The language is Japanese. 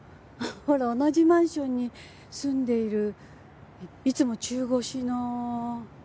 ほら同じマンションに住んでいるいつも中腰の。